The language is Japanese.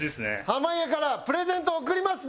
濱家からプレゼント贈ります。